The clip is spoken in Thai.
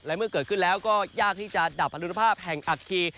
และเมื่อเกิดขึ้นแล้วก็ยากที่จะดับอรุณภาพแห่งอัคคี